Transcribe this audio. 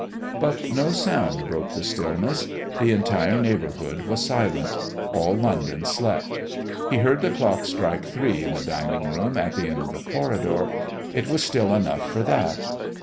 But no sound broke the stillness; the entire neighbourhood was silent; all London slept. He heard the clock strike three in the dining room at the end of the corridor. It was still enough for that.